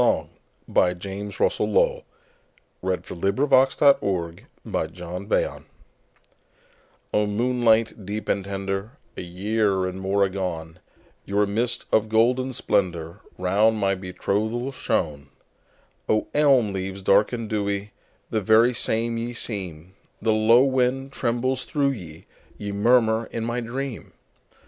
1912. James Russell Lowell 1819–1891 James Russell Lowell 127 Song O, MOONLIGHT deep and tender,A year and more agone, Your mist of golden splendorRound my betrothal shone!O, elm leaves dark and dewy, The very same ye seem, The low wind trembles through ye, Ye murmur in my dream!